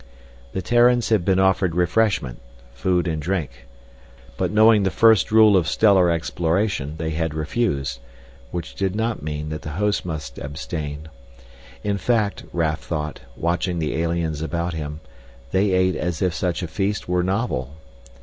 The Terrans had been offered refreshment food and drink. But knowing the first rule of stellar exploration, they had refused, which did not mean that the hosts must abstain. In fact, Raf thought, watching the aliens about him, they ate as if such a feast were novel.